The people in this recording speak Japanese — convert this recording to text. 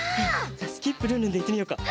じゃあスキップルンルンでいってみよっか！